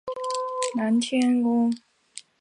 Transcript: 南天宫经莆田湄洲妈祖庙董事会聘为台湾连络处。